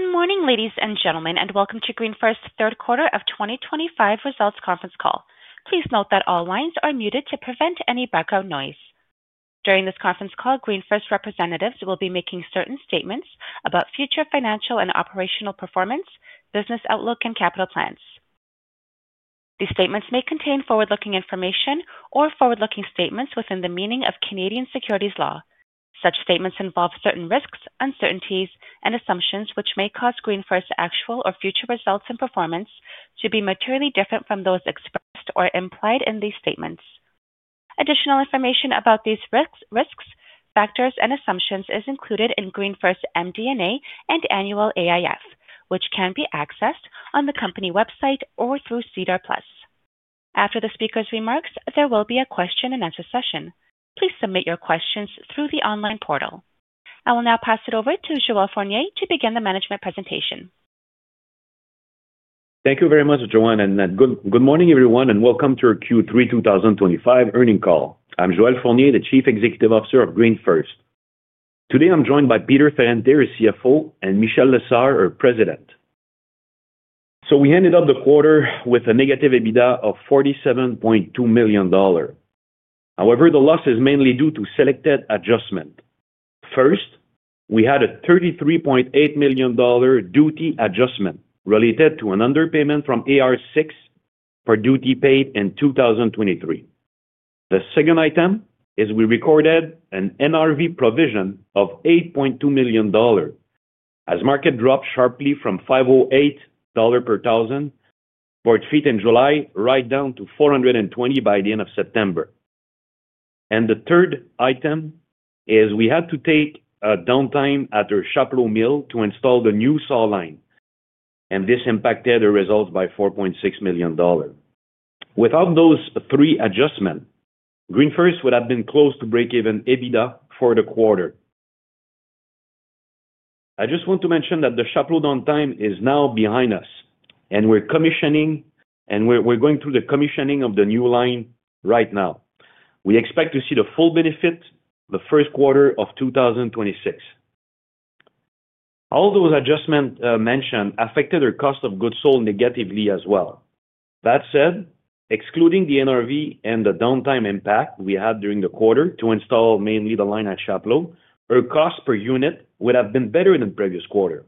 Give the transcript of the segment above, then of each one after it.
Good morning, ladies and gentlemen, and welcome to GreenFirst's third quarter of 2025 results conference call. Please note that all lines are muted to prevent any background noise. During this conference call, GreenFirst representatives will be making certain statements about future financial and operational performance, business outlook, and capital plans. These statements may contain forward-looking information or forward-looking statements within the meaning of Canadian securities law. Such statements involve certain risks, uncertainties, and assumptions which may cause GreenFirst's actual or future results and performance to be materially different from those expressed or implied in these statements. Additional information about these risks, factors, and assumptions is included in GreenFirst's MD&A and annual AIF, which can be accessed on the company website or through SEDAR Plus. After the speaker's remarks, there will be a question-and-answer session. Please submit your questions through the online portal. I will now pass it over to Joel Fournier to begin the management presentation. Thank you very much, Joanne, and good morning, everyone, and welcome to our Q3 2025 earnings call. I'm Joel Fournier, the Chief Executive Officer of GreenFirst. Today, I'm joined by Peter Ferrante, our CFO, and Michel Lessard, our President. We ended up the quarter with a negative EBITDA of $47.2 million. However, the loss is mainly due to selected adjustments. First, we had a $33.8 million duty adjustment related to an underpayment from AR6 for duty paid in 2023. The second item is we recorded an NRV provision of $8.2 million as market dropped sharply from $508 per thousand for a foot in July, right down to $420 by the end of September. The third item is we had to take a downtime at our Shapiro mill to install the new saw line, and this impacted the results by $4.6 million. Without those three adjustments, GreenFirst would have been close to break-even EBITDA for the quarter. I just want to mention that the Shapiro downtime is now behind us, and we're commissioning, and we're going through the commissioning of the new line right now. We expect to see the full benefit the first quarter of 2026. All those adjustments mentioned affected our cost of goods sold negatively as well. That said, excluding the NRV and the downtime impact we had during the quarter to install mainly the line at Shapiro, our cost per unit would have been better than the previous quarter.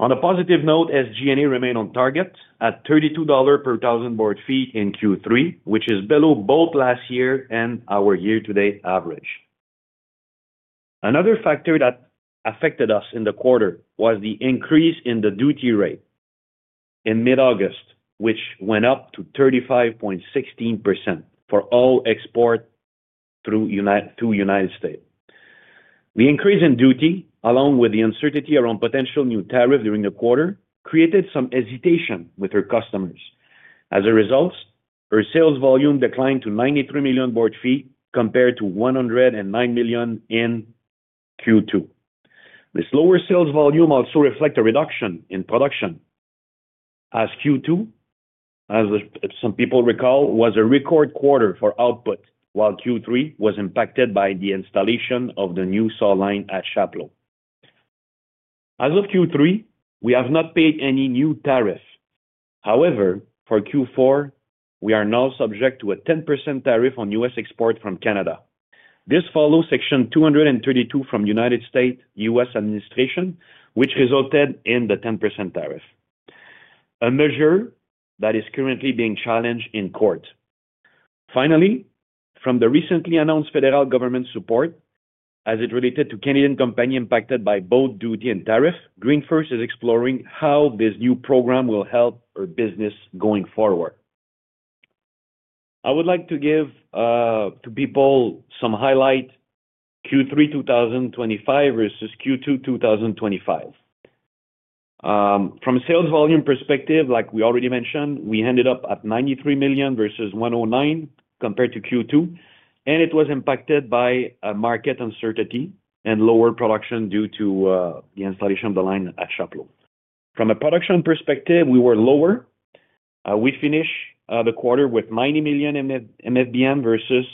On a positive note, SG&A remained on target at $32 per thousand board feet in Q3, which is below both last year and our year-to-date average. Another factor that affected us in the quarter was the increase in the duty rate in mid-August, which went up to 35.16% for all export through the United States. The increase in duty, along with the uncertainty around potential new tariffs during the quarter, created some hesitation with our customers. As a result, our sales volume declined to 93 million board feet compared to 109 million in Q2. This lower sales volume also reflects a reduction in production, as Q2, as some people recall, was a record quarter for output, while Q3 was impacted by the installation of the new saw line at Shapiro. As of Q3, we have not paid any new tariff. However, for Q4, we are now subject to a 10% tariff on U.S. export from Canada. This follows Section 232 from the United States Administration, which resulted in the 10% tariff, a measure that is currently being challenged in court. Finally, from the recently announced federal government support as it related to Canadian company impacted by both duty and tariff, GreenFirst is exploring how this new program will help our business going forward. I would like to give to people some highlights: Q3 2025 versus Q2 2025. From a sales volume perspective, like we already mentioned, we ended up at 93 million versus 109 compared to Q2, and it was impacted by market uncertainty and lower production due to the installation of the line at Shapiro. From a production perspective, we were lower. We finished the quarter with 90 million MFBM versus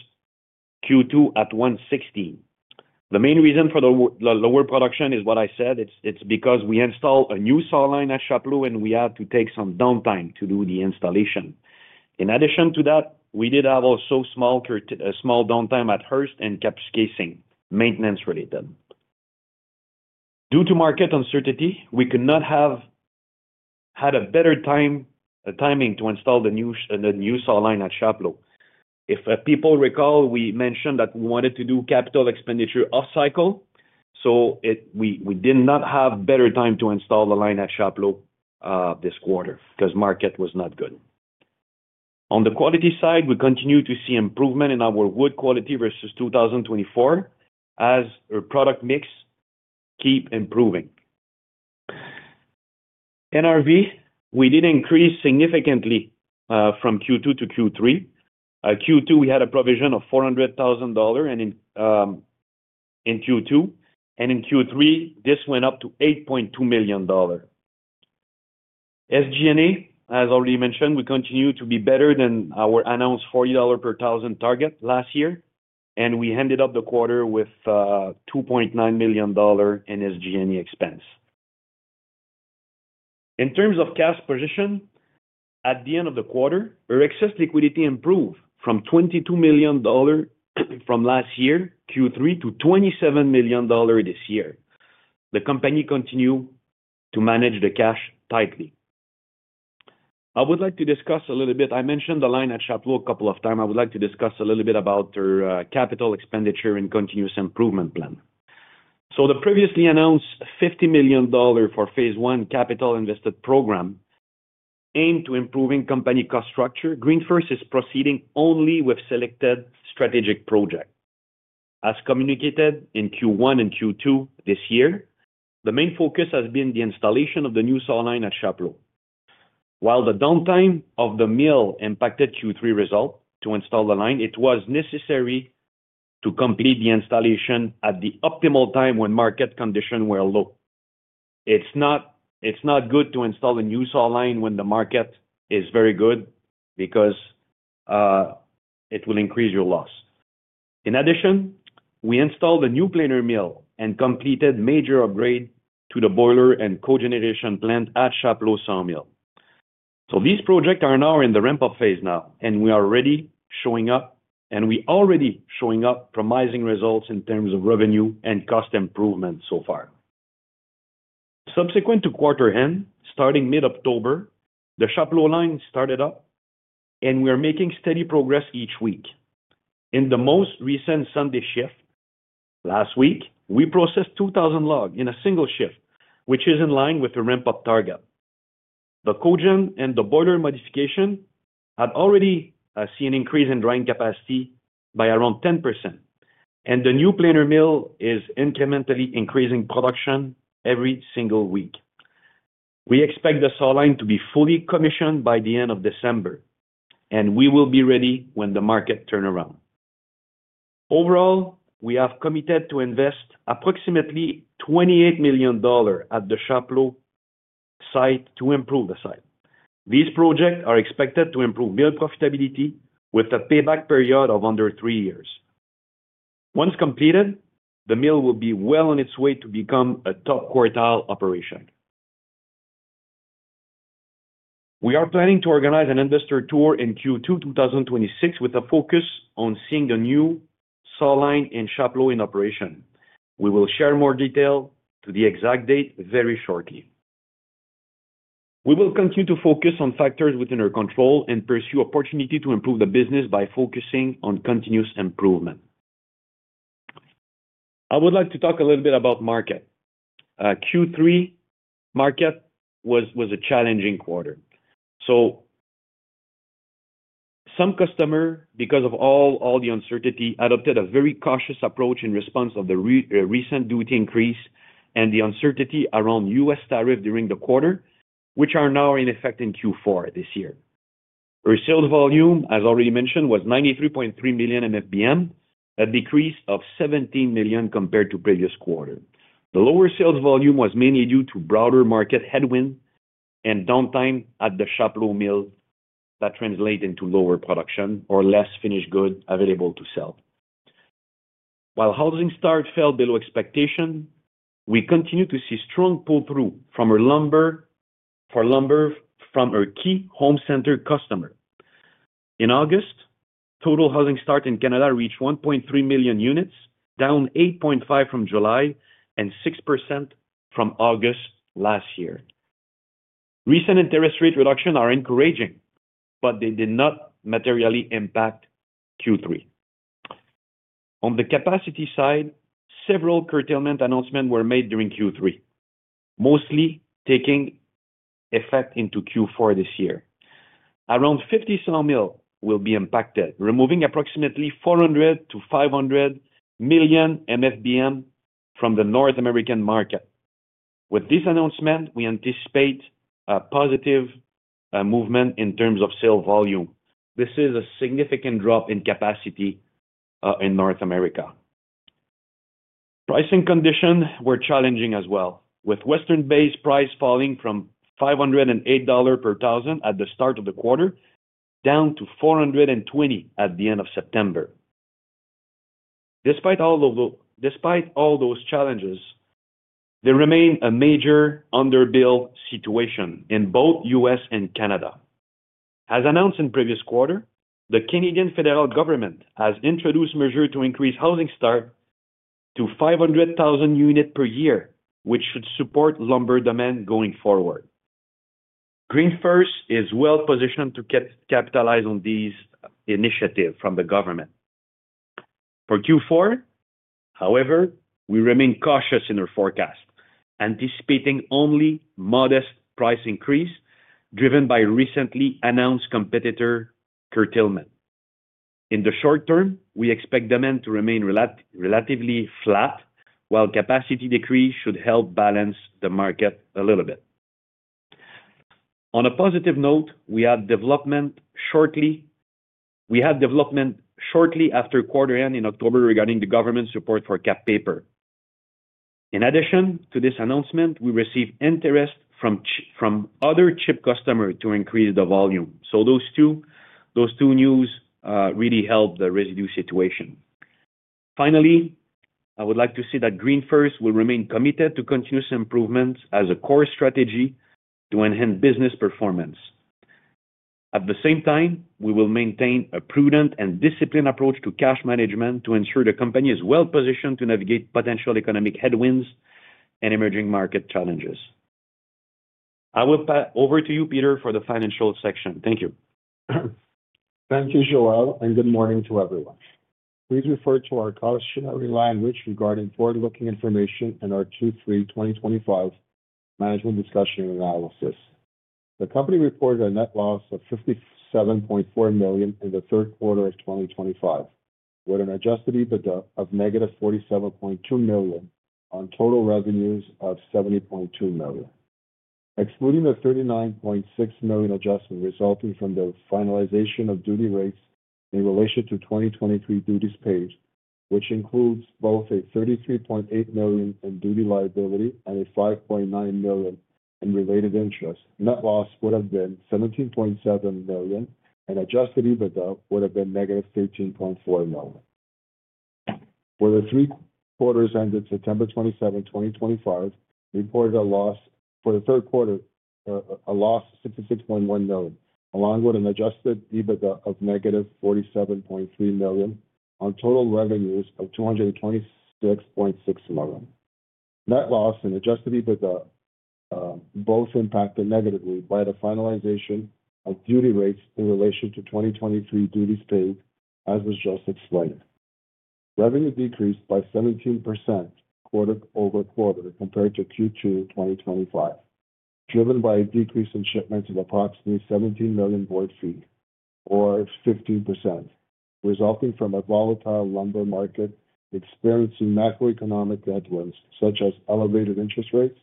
Q2 at 116. The main reason for the lower production is what I said. It's because we installed a new saw line at Shapiro, and we had to take some downtime to do the installation. In addition to that, we did have also small downtime at Hearst and caps casing maintenance-related. Due to market uncertainty, we could not have had a better timing to install the new saw line at Shapiro. If people recall, we mentioned that we wanted to do capital expenditure off-cycle, so we did not have a better time to install the line at Shapiro this quarter because the market was not good. On the quality side, we continue to see improvement in our wood quality versus 2024, as our product mix keeps improving. NRV, we did increase significantly from Q2 to Q3. Q2, we had a provision of $400,000 in Q2, and in Q3, this went up to $8.2 million. SG&A, as already mentioned, we continue to be better than our announced $40 per thousand target last year, and we ended up the quarter with $2.9 million in SG&A expense. In terms of cash position, at the end of the quarter, our excess liquidity improved from $22 million from last year, Q3, to $27 million this year. The company continues to manage the cash tightly. I would like to discuss a little bit—I mentioned the line at Shapiro a couple of times. I would like to discuss a little bit about our capital expenditure and continuous improvement plan. The previously announced $50 million for phase I capital invested program aimed to improve company cost structure. GreenFirst is proceeding only with selected strategic projects. As communicated in Q1 and Q2 this year, the main focus has been the installation of the new saw line at Shapiro. While the downtime of the mill impacted Q3 results to install the line, it was necessary to complete the installation at the optimal time when market conditions were low. It's not good to install a new saw line when the market is very good because it will increase your loss. In addition, we installed a new planer mill and completed a major upgrade to the boiler and cogeneration plant at Shapiro Sawmill. These projects are now in the ramp-up phase, and we are already showing promising results in terms of revenue and cost improvement so far. Subsequent to quarter end, starting mid-October, the Shapiro line started up, and we are making steady progress each week. In the most recent Sunday shift last week, we processed 2,000 logs in a single shift, which is in line with the ramp-up target. The cogent and the boiler modification had already seen an increase in drying capacity by around 10%, and the new planer mill is incrementally increasing production every single week. We expect the saw line to be fully commissioned by the end of December, and we will be ready when the market turns around. Overall, we have committed to invest approximately $28 million at the Shapiro site to improve the site. These projects are expected to improve mill profitability with a payback period of under three years. Once completed, the mill will be well on its way to become a top quartile operation. We are planning to organize an investor tour in Q2 2026 with a focus on seeing the new saw line in Shapiro in operation. We will share more details to the exact date very shortly. We will continue to focus on factors within our control and pursue opportunities to improve the business by focusing on continuous improvement. I would like to talk a little bit about market. Q3 market was a challenging quarter. Some customers, because of all the uncertainty, adopted a very cautious approach in response to the recent duty increase and the uncertainty around U.S. tariffs during the quarter, which are now in effect in Q4 this year. Our sales volume, as already mentioned, was 93.3 million MFBM, a decrease of 17 million compared to the previous quarter. The lower sales volume was mainly due to broader market headwinds and downtime at the Shapiro mill that translated into lower production or less finished goods available to sell. While housing starts fell below expectations, we continue to see strong pull-through for lumber from our key home-centered customers. In August, total housing starts in Canada reached 1.3 million units, down 8.5% from July and 6% from August last year. Recent interest rate reductions are encouraging, but they did not materially impact Q3. On the capacity side, several curtailment announcements were made during Q3, mostly taking effect into Q4 this year. Around 50 sawmills will be impacted, removing approximately 400 million-500 million MFBM from the North American market. With this announcement, we anticipate a positive movement in terms of sales volume. This is a significant drop in capacity in North America. Pricing conditions were challenging as well, with Western Bay's price falling from $508 per thousand at the start of the quarter down to $420 at the end of September. Despite all those challenges, there remains a major underbilled situation in both the U.S. and Canada. As announced in the previous quarter, the Canadian federal government has introduced measures to increase housing starts to 500,000 units per year, which should support lumber demand going forward. GreenFirst is well-positioned to capitalize on these initiatives from the government. For Q4, however, we remain cautious in our forecast, anticipating only modest price increases driven by recently announced competitor curtailment. In the short term, we expect demand to remain relatively flat, while capacity decrease should help balance the market a little bit. On a positive note, we had development shortly after quarter end in October regarding the government's support for Kap Paper. In addition to this announcement, we received interest from other chip customers to increase the volume. So those two news really helped the residue situation. Finally, I would like to say that GreenFirst will remain committed to continuous improvements as a core strategy to enhance business performance. At the same time, we will maintain a prudent and disciplined approach to cash management to ensure the company is well-positioned to navigate potential economic headwinds and emerging market challenges. I will pass over to you, Peter, for the financial section. Thank you. Thank you, Joel, and good morning to everyone. Please refer to our cautionary language regarding forward-looking information in our Q3 2025 management discussion and analysis. The company reported a net loss of $57.4 million in the third quarter of 2025, with an Adjusted EBITDA of -$47.2 million on total revenues of $70.2 million, excluding the $39.6 million adjustment resulting from the finalization of duty rates in relation to 2023 duties paid, which includes both a $33.8 million in duty liability and a $5.9 million in related interest. Net loss would have been $17.7 million, and Adjusted EBITDA would have been -$13.4 million. For the three quarters ended September 27th, 2025, reported a loss for the third quarter, a loss of $66.1 million, along with an Adjusted EBITDA of -$47.3 million on total revenues of $226.6 million. Net loss and Adjusted EBITDA both impacted negatively by the finalization of duty rates in relation to 2023 duties paid, as was just explained. Revenue decreased by 17% quarter-over-quarter compared to Q2 2025, driven by a decrease in shipments of approximately 17 million board feet, or 15%, resulting from a volatile lumber market experiencing macroeconomic headwinds such as elevated interest rates,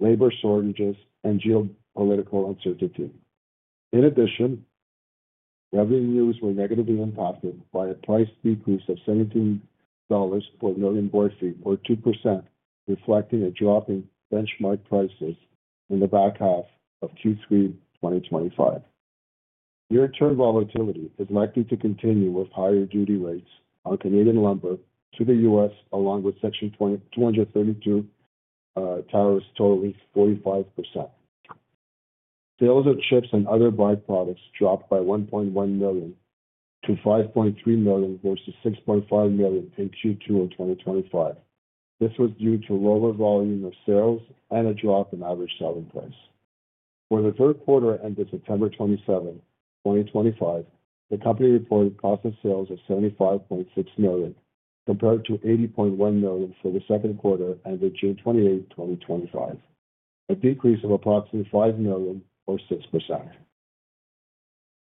labor shortages, and geopolitical uncertainty. In addition, revenues were negatively impacted by a price decrease of $17 per million board feet, or 2%, reflecting a drop in benchmark prices in the back half of Q3 2025. Year-to-year volatility is likely to continue with higher duty rates on Canadian lumber to the US, along with Section 232 tariffs totaling 45%. Sales of chips and other by-products dropped by $1.1 million-$5.3 million versus $6.5 million in Q2 of 2025. This was due to lower volume of sales and a drop in average selling price. For the third quarter ended September 27th, 2025, the company reported cost of sales of $75.6 million compared to $80.1 million for the second quarter ended June 28th, 2025, a decrease of approximately $5 million, or 6%.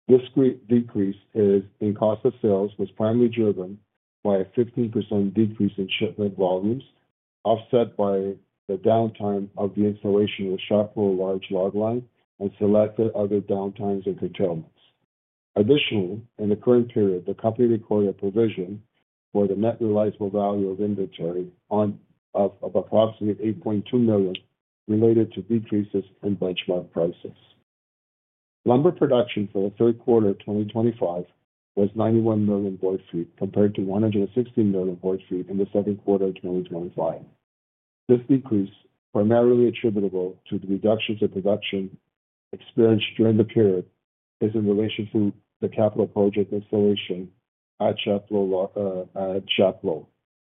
This decrease in cost of sales was primarily driven by a 15% decrease in shipment volumes, offset by the downtime of the installation of the Shapiro large log line and selected other downtimes and curtailments. Additionally, in the current period, the company recorded a provision for the net realizable value of inventory of approximately $8.2 million related to decreases in benchmark prices. Lumber production for the third quarter of 2025 was 91 million board feet compared to 160 million board feet in the second quarter of 2025. This decrease, primarily attributable to the reductions in production experienced during the period, is in relation to the capital project installation at Shapiro,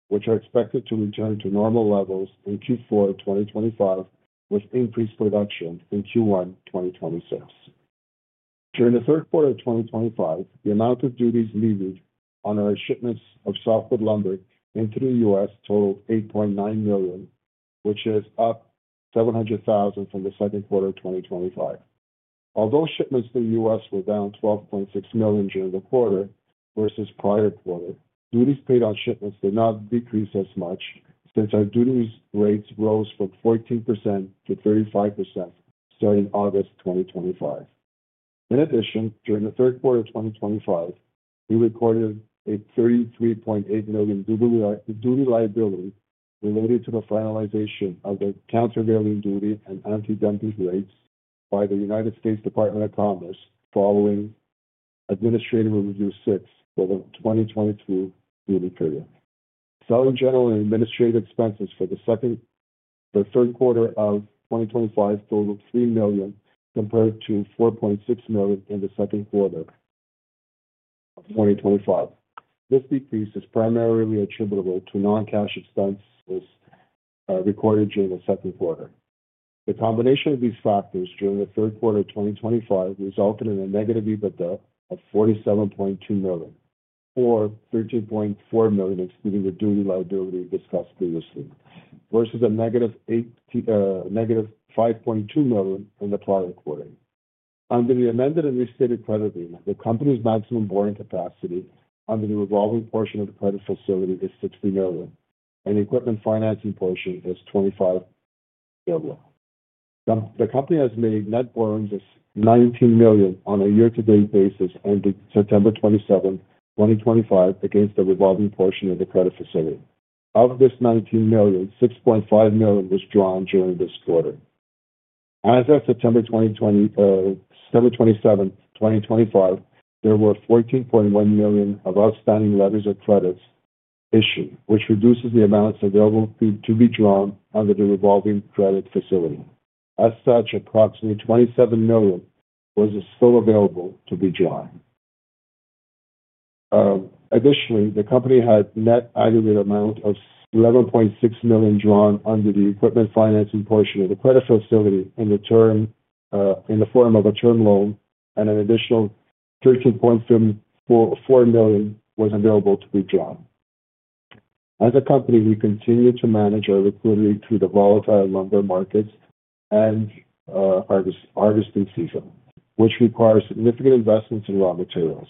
which are expected to return to normal levels in Q4 of 2025 with increased production in Q1 2026. During the third quarter of 2025, the amount of duties levied on our shipments of softwood lumber into the U.S. totaled $8.9 million, which is up $700,000 from the second quarter of 2025. Although shipments to the U.S. were down $12.6 million during the quarter versus the prior quarter, duties paid on shipments did not decrease as much since our duties rates rose from 14%-35% starting August 2025. In addition, during the third quarter of 2025, we recorded a $33.8 million duty liability related to the finalization of the countervailing duty and anti-dumping rates by the United States Department of Commerce following Administrative Review 6 for the 2022 duty period. Selling, general and administrative expenses for the third quarter of 2025 totaled $3 million compared to $4.6 million in the second quarter of 2025. This decrease is primarily attributable to non-cash expenses recorded during the second quarter. The combination of these factors during the third quarter of 2025 resulted in a negative EBITDA of $47.2 million, or $13.4 million excluding the duty liability discussed previously, versus a -$5.2 million in the prior quarter. Under the amended and restated credit agreement, the company's maximum borrowing capacity under the revolving portion of the credit facility is $60 million, and the equipment financing portion is $25 million. The company has made net borrowings of $19 million on a year-to-date basis ended September 27, 2025, against the revolving portion of the credit facility. Of this $19 million, $6.5 million was drawn during this quarter. As of September 27th, 2025, there were $14.1 million of outstanding letters of credit issued, which reduces the amounts available to be drawn under the revolving credit facility. As such, approximately $27 million was still available to be drawn. Additionally, the company had a net aggregate amount of $11.6 million drawn under the equipment financing portion of the credit facility in the form of a term loan, and an additional $13.4 million was available to be drawn. As a company, we continue to manage our liquidity through the volatile lumber markets and harvesting season, which requires significant investments in raw materials.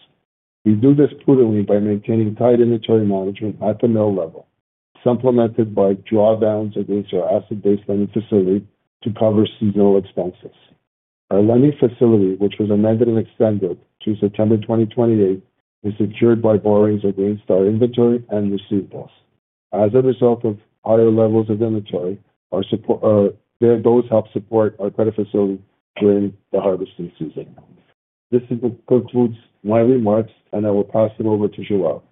We do this prudently by maintaining tight inventory management at the mill level, supplemented by drawdowns against our asset-based lending facility to cover seasonal expenses. Our lending facility, which was amended and extended through September 2028, is secured by borrowings against our inventory and receivables. As a result of higher levels of inventory, those help support our credit facility during the harvesting season. This concludes my remarks, and I will pass it over to Joel.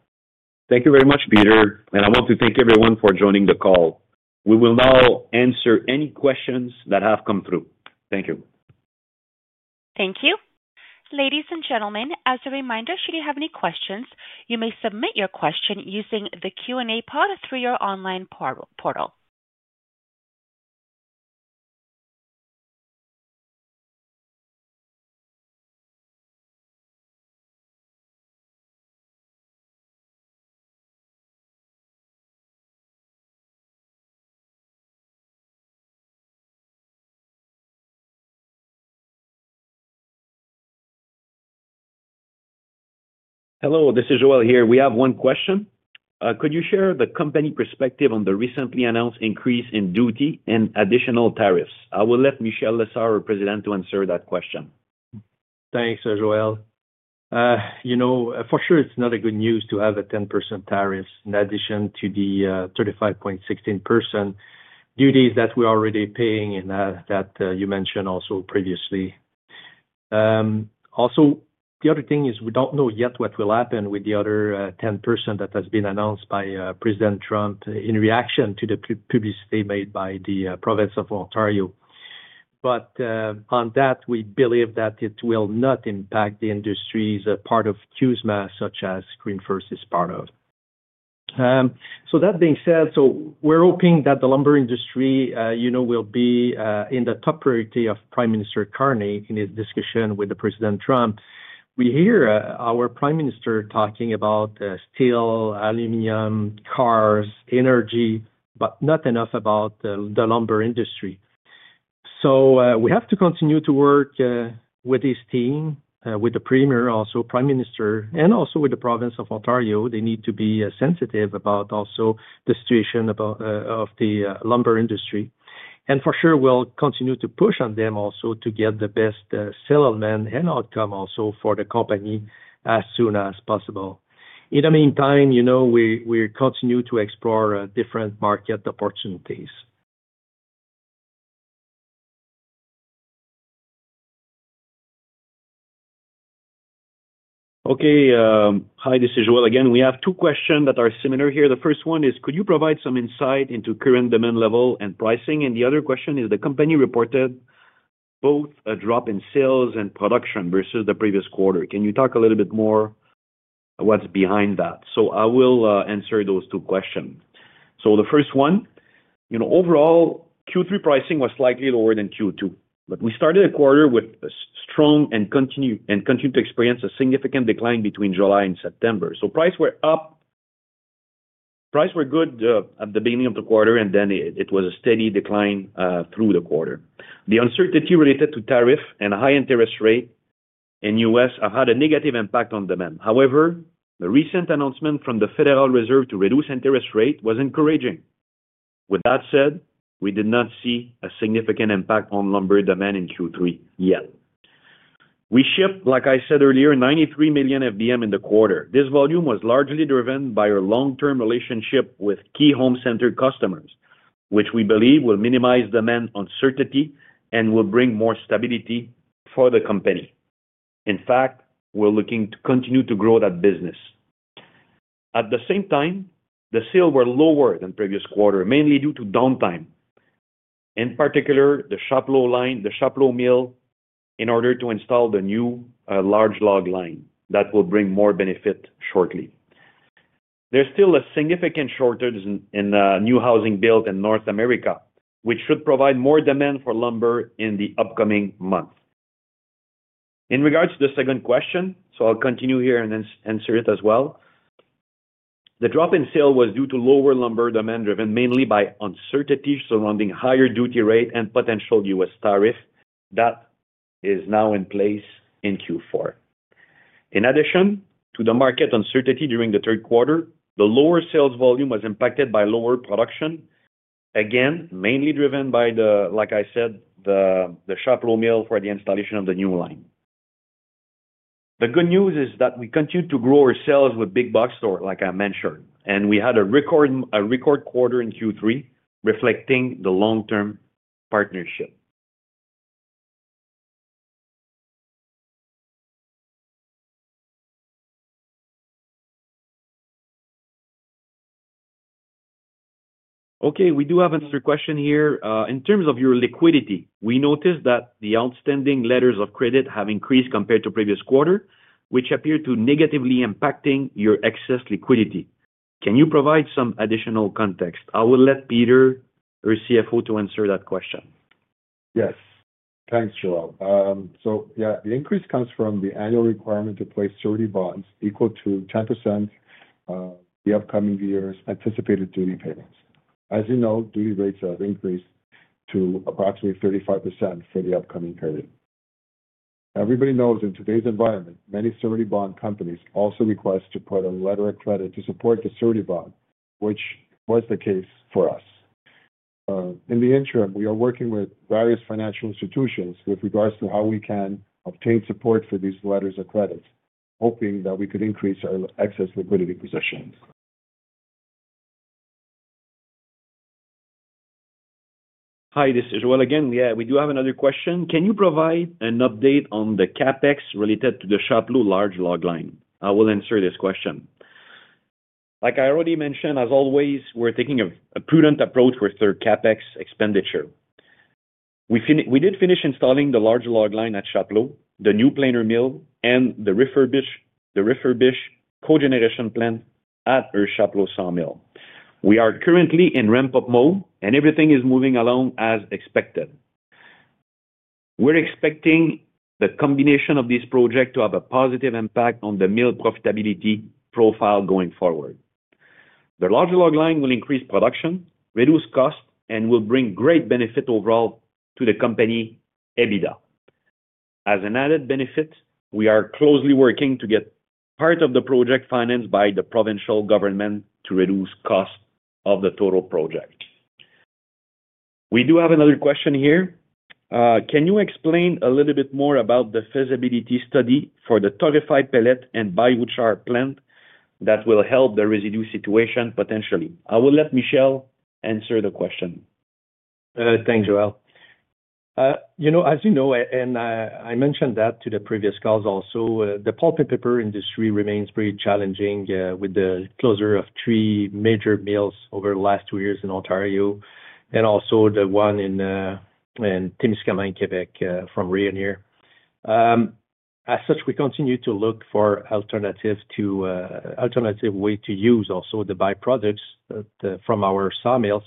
Thank you very much, Peter. I want to thank everyone for joining the call. We will now answer any questions that have come through. Thank you. Thank you. Ladies and gentlemen, as a reminder, should you have any questions, you may submit your question using the Q&A pod through your online portal. Hello, this is Joel here. We have one question. Could you share the company perspective on the recently announced increase in duty and additional tariffs? I will let Michel Lessard, our President, answer that question. Thanks, Joel. You know, for sure, it's not good news to have a 10% tariff in addition to the 35.16% duties that we're already paying and that you mentioned also previously. Also, the other thing is we don't know yet what will happen with the other 10% that has been announced by President Trump in reaction to the publicity made by the province of Ontario. On that, we believe that it will not impact the industries part of CUSMA, such as GreenFirst is part of. That being said, we're hoping that the lumber industry will be in the top priority of Prime Minister Carney in his discussion with President Trump. We hear our Prime Minister talking about steel, aluminum, cars, energy, but not enough about the lumber industry. We have to continue to work with his team, with the premier, also Prime Minister, and also with the province of Ontario. They need to be sensitive about also the situation of the lumber industry. For sure, we'll continue to push on them also to get the best salesmen and outcome also for the company as soon as possible. In the meantime, we continue to explore different market opportunities. Okay. Hi, this is Joel again. We have two questions that are similar here. The first one is, could you provide some insight into current demand level and pricing? The other question is, the company reported both a drop in sales and production versus the previous quarter. Can you talk a little bit more what's behind that? I will answer those two questions. The first one, overall, Q3 pricing was slightly lower than Q2. We started the quarter with a strong and continued to experience a significant decline between July and September. Prices were good at the beginning of the quarter, and then it was a steady decline through the quarter. The uncertainty related to tariffs and a high interest rate in the U.S. have had a negative impact on demand. However, the recent announcement from the Federal Reserve to reduce interest rates was encouraging. With that said, we did not see a significant impact on lumber demand in Q3 yet. We shipped, like I said earlier, 93 million FBM in the quarter. This volume was largely driven by our long-term relationship with key home-centered customers, which we believe will minimize demand uncertainty and will bring more stability for the company. In fact, we're looking to continue to grow that business. At the same time, the sales were lower than the previous quarter, mainly due to downtime. In particular, the Shapiro line, the Shapiro mill, in order to install the new large log line that will bring more benefit shortly. There's still a significant shortage in new housing built in North America, which should provide more demand for lumber in the upcoming month. In regards to the second question, so I'll continue here and answer it as well. The drop in sales was due to lower lumber demand driven mainly by uncertainty surrounding higher duty rate and potential US tariff that is now in place in Q4. In addition to the market uncertainty during the third quarter, the lower sales volume was impacted by lower production, again, mainly driven by the, like I said, the Shapiro mill for the installation of the new line. The good news is that we continue to grow our sales with Bigbox Store, like I mentioned, and we had a record quarter in Q3 reflecting the long-term partnership. Okay. We do have another question here. In terms of your liquidity, we noticed that the outstanding letters of credit have increased compared to the previous quarter, which appeared to negatively impact your excess liquidity. Can you provide some additional context? I will let Peter or CFO to answer that question. Yes. Thanks, Joel. Yeah, the increase comes from the annual requirement to place 30 bonds equal to 10% of the upcoming year's anticipated duty payments. As you know, duty rates have increased to approximately 35% for the upcoming period. Everybody knows in today's environment, many certified bond companies also request to put a letter of credit to support the certified bond, which was the case for us. In the interim, we are working with various financial institutions with regards to how we can obtain support for these letters of credit, hoping that we could increase our excess liquidity positions. Hi, this is Joel again. Yeah, we do have another question. Can you provide an update on the CapEx related to the Shapiro large log line? I will answer this question. Like I already mentioned, as always, we're taking a prudent approach with our CapEx expenditure. We did finish installing the large log line at Shapiro, the new planer mill, and the refurbished cogeneration plant at our Shapiro sawmill. We are currently in ramp-up mode, and everything is moving along as expected. We're expecting the combination of these projects to have a positive impact on the mill profitability profile going forward. The large log line will increase production, reduce cost, and will bring great benefit overall to the company, EBITDA. As an added benefit, we are closely working to get part of the project financed by the provincial government to reduce cost of the total project. We do have another question here. Can you explain a little bit more about the feasibility study for the torrefied pellet and by-products for pulp producers plant that will help the residue situation potentially? I will let Michel answer the question. Thanks, Joel. As you know, and I mentioned that to the previous calls also, the pulp and paper industry remains pretty challenging with the closure of three major mills over the last two years in Ontario, and also the one in Temiscaming, Quebec, from Rayonier. As such, we continue to look for alternative ways to use also the by-products from our sawmills,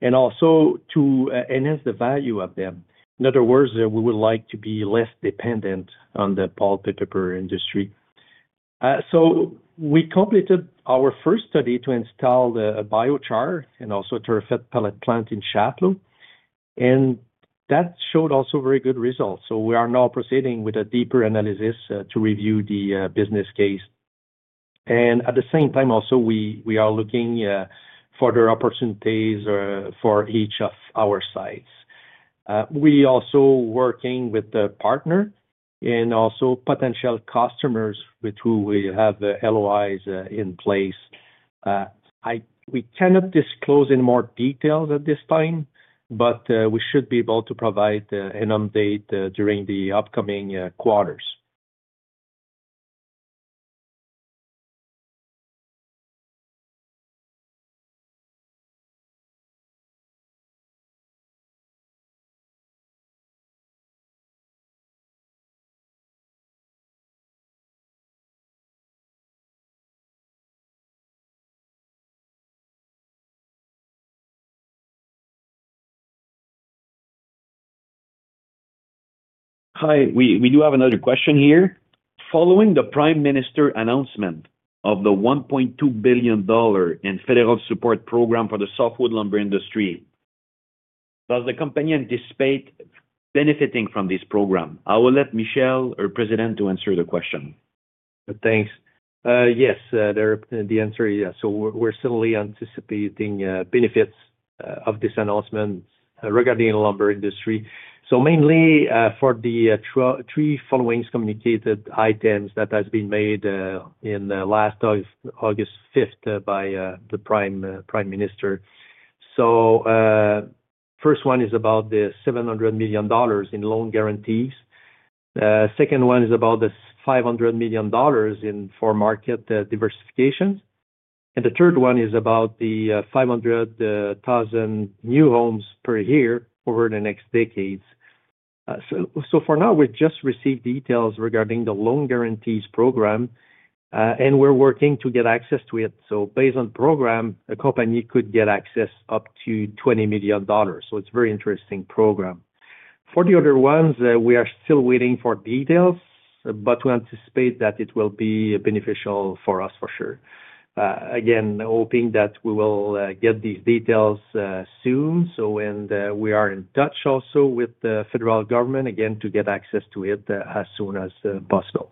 and also to enhance the value of them. In other words, we would like to be less dependent on the pulp and paper industry. We completed our first study to install the biochar and also a torrefied pellet plant in Shapiro, and that showed also very good results. We are now proceeding with a deeper analysis to review the business case. At the same time, also, we are looking for the opportunities for each of our sites. We are also working with the partner and also potential customers with whom we have LOIs in place. We cannot disclose any more details at this time, but we should be able to provide an update during the upcoming quarters. Hi, we do have another question here. Following the Prime Minister's announcement of the $1.2 billion in federal support program for the softwood lumber industry, does the company anticipate benefiting from this program? I will let Michel, our President, answer the question. Thanks. Yes, the answer is yes. We are certainly anticipating benefits of this announcement regarding the lumber industry. Mainly for the three following communicated items that have been made on last August 5th by the Prime Minister. The first one is about the $700 million in loan guarantees. The second one is about the $500 million for market diversification. The third one is about the 500,000 new homes per year over the next decades. For now, we've just received details regarding the loan guarantees program, and we're working to get access to it. Based on the program, a company could get access up to $20 million. It's a very interesting program. For the other ones, we are still waiting for details, but we anticipate that it will be beneficial for us for sure. Again, hoping that we will get these details soon. We are in touch also with the federal government, again, to get access to it as soon as possible.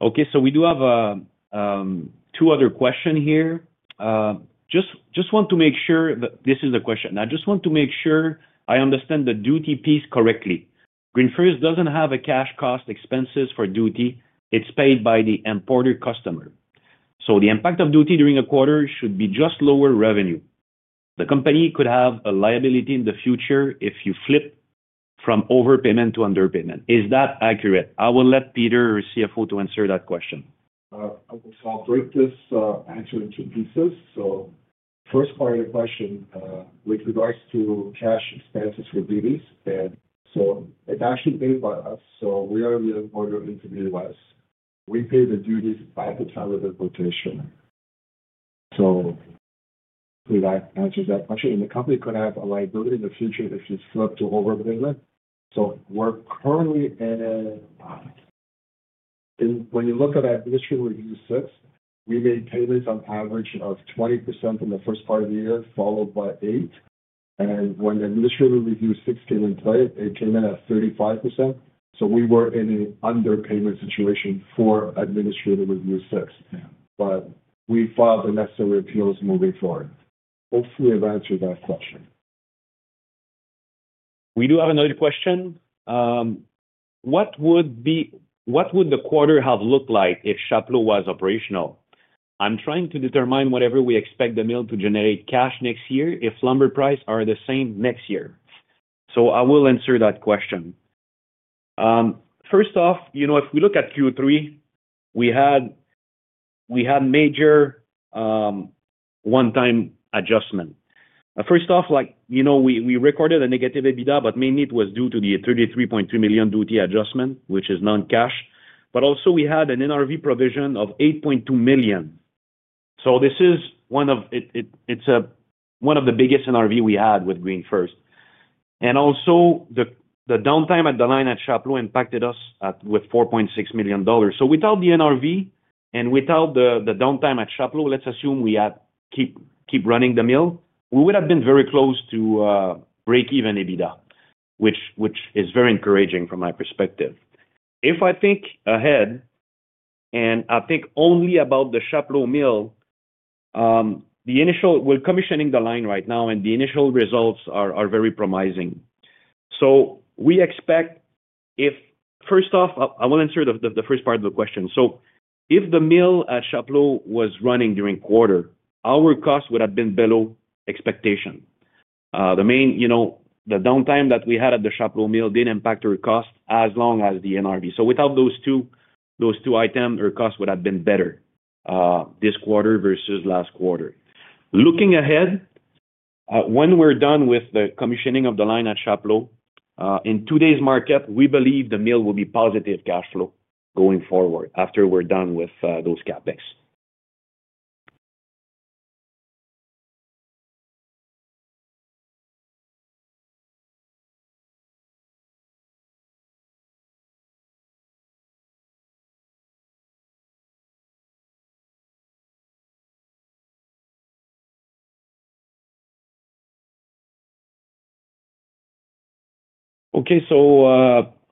Okay. We do have two other questions here. I just want to make sure that this is the question. I just want to make sure I understand the duty piece correctly. GreenFirst doesn't have a cash cost expenses for duty. It's paid by the importer customer. The impact of duty during a quarter should be just lower revenue. The company could have a liability in the future if you flip from overpayment to underpayment. Is that accurate? I will let Peter or CFO to answer that question. I'll break this answer into pieces. First part of the question with regards to cash expenses for duties. It's actually paid by us. We are the importer intermediate to us. We pay the duties by the time of the quotation. I can answer that question. The company could have a liability in the future if you flip to overpayment. We're currently in a when you look at our administrative review six, we made payments on average of 20% in the first part of the year, followed by 8. When the administrative review six came into play, it came in at 35%. We were in an underpayment situation for administrative review six. We filed the necessary appeals moving forward. Hopefully, I have answered that question. We do have another question. What would the quarter have looked like if Shapiro was operational? I am trying to determine whether we expect the mill to generate cash next year if lumber prices are the same next year. I will answer that question. First off, if we look at Q3, we had a major one-time adjustment. First off, we recorded a negative EBITDA, but mainly it was due to the $33.2 million duty adjustment, which is non-cash. We also had an NRV provision of $8.2 million. This is one of the biggest NRVs we had with GreenFirst. Also, the downtime at the line at Shapiro impacted us with $4.6 million. Without the NRV and without the downtime at Shapiro, let's assume we keep running the mill, we would have been very close to break-even EBITDA, which is very encouraging from my perspective. If I think ahead and I think only about the Shapiro mill, we're commissioning the line right now, and the initial results are very promising. We expect, first off, I will answer the first part of the question. If the mill at Shapiro was running during the quarter, our cost would have been below expectation. The downtime that we had at the Shapiro mill did impact our cost as well as the NRV. Without those two items, our cost would have been better this quarter versus last quarter. Looking ahead, when we're done with the commissioning of the line at Shapiro, in today's market, we believe the mill will be positive cash flow going forward after we're done with those CapEx. Okay. So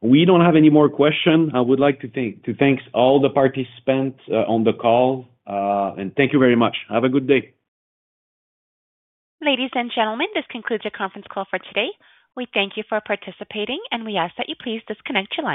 we don't have any more questions. I would like to thank all the participants on the call, and thank you very much. Have a good day. Ladies and gentlemen, this concludes our conference call for today. We thank you for participating, and we ask that you please disconnect the line.